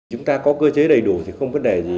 chúng ta có cơ chế đầy đủ thì không vấn đề gì